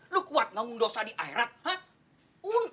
lu kuat nganggung dosa di akhirat